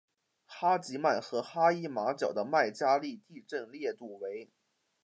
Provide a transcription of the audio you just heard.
阿吉曼和哈伊马角的麦加利地震烈度为。